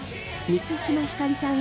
満島ひかりさん